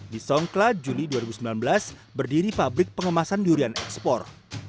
di songkla juli dua ribu sembilan belas berdiri pabrik pengemasan durian ekspor